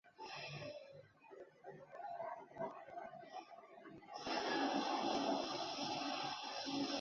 只有中间一段适合高解析通道。